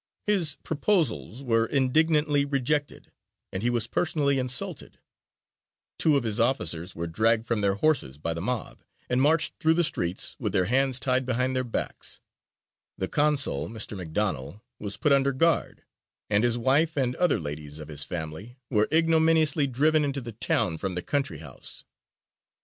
His proposals were indignantly rejected, and he was personally insulted; two of his officers were dragged from their horses by the mob, and marched through the streets with their hands tied behind their backs; the consul, Mr. McDonell, was put under guard, and his wife and other ladies of his family were ignominiously driven into the town from the country house.